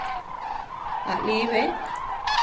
Aʼlí be?